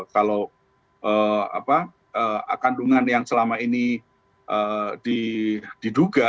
kalau kandungan yang selama ini diduga